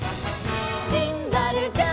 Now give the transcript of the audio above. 「シンバルジャン！」